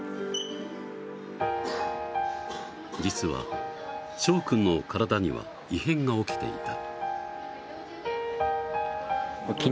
実は、しょう君の体には異変が起きていた。